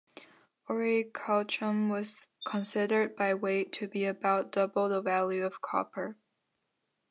Orichalcum was considered, by weight, to be about double the value of copper.